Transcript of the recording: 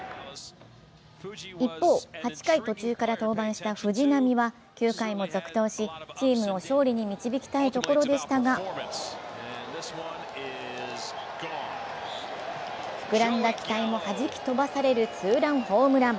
一方、８回途中から登板した藤浪は９回も続投し、チームを勝利に導きたいところでしたが膨らんだ期待もはじき飛ばされるツーランホームラン。